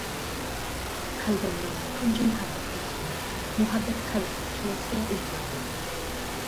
قەلبىمنىڭ تۇنجى مۇھەببەت ئىگىسى، مۇھەببەت قەبرىسىنى تىكلەشكە ئۈلگۈردى.